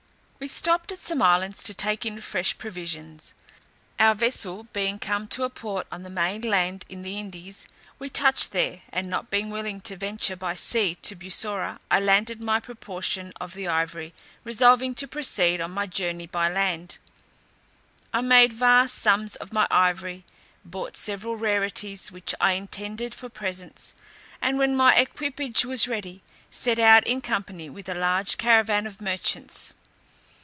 We stopped at some islands to take in fresh provisions. Our vessel being come to a port on the main land in the Indies, we touched there, and not being willing to venture by sea to Bussorah, I landed my proportion of the ivory, resolving to proceed on my journey by land. I made vast sums of my ivory, bought several rarities, which I intended for presents, and when my equipage was ready, set out in company with a large caravan of merchants.